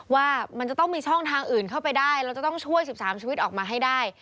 ว่ามันจะต้องมีช่องทางอื่นเข้าไปได้เราจะต้องช่วย๑๓ชีวิตออกมาให้ได้